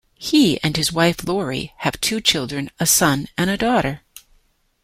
He and his wife Laurie have two children, a son and a daughter.